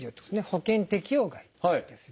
保険適用外です。